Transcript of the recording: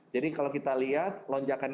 jadi kalau kita lihat lonjakan